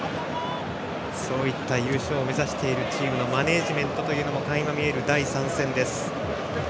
そういった優勝を目指しているチームのマネージメントも垣間見える第３戦です。